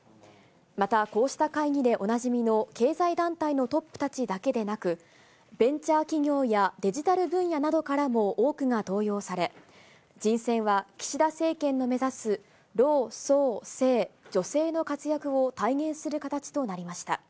またこうした会議でおなじみの経済団体のトップたちだけでなく、ベンチャー企業やデジタル分野などからも多くが登用され、人選は岸田政権の目指す老壮青、女性の活躍を体現する形となりました。